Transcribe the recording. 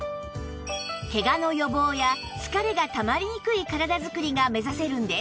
けがの予防や疲れがたまりにくい体づくりが目指せるんです